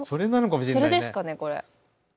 それですかねこれ。